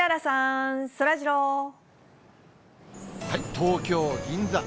東京・銀座。